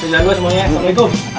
sini lagi semua ya